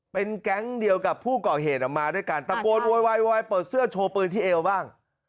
เป็นแก๊งเดียวกับผู้ก่อเหตุมาด้วยกันตะโกนโวยวายเปิดเสื้อโชว์ปืนที่เอวบ้าง